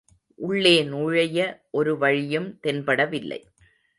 உள்ளே நுழைய ஒருவழியும் தென்படவில்லை.